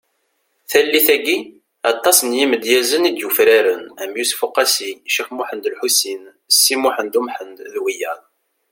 Tallit-agi, aṭas n yimedyazen i d-yufraren am Yusef Uqasi , Cix Muhend Ulḥusin Si Muḥend Umḥend d wiyaḍ .